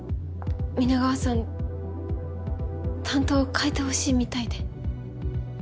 皆川さん担当を替えてほしいみたいで。